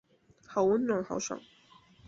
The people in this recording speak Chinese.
好温暖好爽